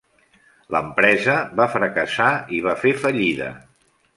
L'empresa va fracassar i va fer fallida.